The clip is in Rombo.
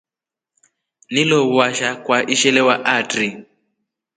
Nilo washa kwa ishelewa atri.